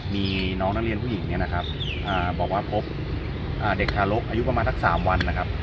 มีน้องนักเรียนผู้หญิงเนี่ยนะครับบอกว่าพบเด็กทารกอายุประมาณสัก๓วันนะครับ